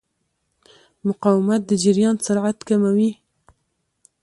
مقاومت د جریان سرعت کموي.